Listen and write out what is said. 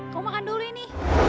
kamu makan dulu ini